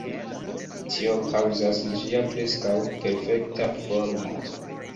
Tio kaŭzas ĝia preskaŭ perfekta formo.